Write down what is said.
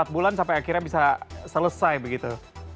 empat bulan sampai akhirnya bisa selesai begitu